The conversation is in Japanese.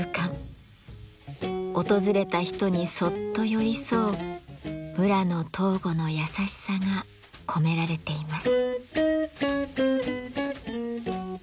訪れた人にそっと寄り添う村野藤吾の優しさが込められています。